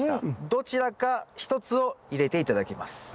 どちらか１つを入れて頂きます。